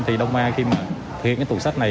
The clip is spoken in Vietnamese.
thì đông a khi mà thực hiện cái tù sách này